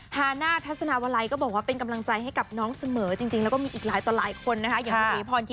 ฮานาทัศนาวาลัยก็บอกว่าเป็นกำลังใจให้กับน้องเสมอจริงแล้วก็มีอีกหลายต่อหลายคนนะคะ